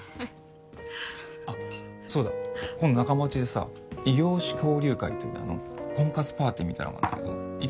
あっそうだ今度仲間内でさ異業種交流会っていう名の婚活パーティーみたいなのがあるんだけど行く？